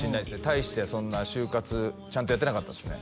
大してそんな就活ちゃんとやってなかったっすね